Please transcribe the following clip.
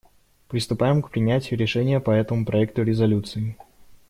Приступаем к принятию решения по этому проекту резолюции.